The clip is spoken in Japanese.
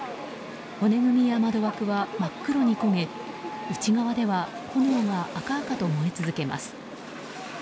骨組みや窓枠は真っ黒に焦げ内側では炎が赤々と燃え続けます。